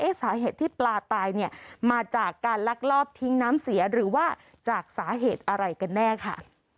สาเหตุที่ปลาตายเนี่ยมาจากการลักลอบทิ้งน้ำเสียหรือว่าจากสาเหตุอะไรกันแน่ค่ะ